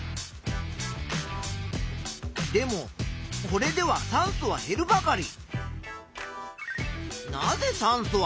でもこれでは酸素は減るばかり。